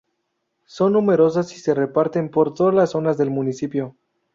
Son numerosas y se reparten por todas las zonas del municipio.